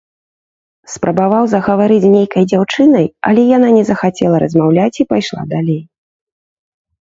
Спрабаваў загаварыць з нейкай дзяўчынай, але яна не захацела размаўляць і пайшла далей.